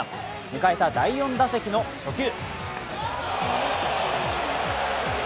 迎えた第４打席の初球。